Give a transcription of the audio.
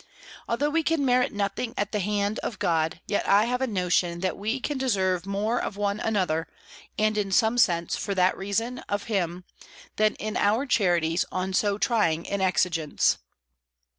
Although we can merit nothing at the hand of God, yet I have a notion, that we cannot deserve more of one another, and in some sense, for that reason, of him, than in our charities on so trying an exigence!